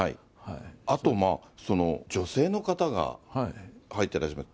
あと女性の方が入ってらっしゃいます。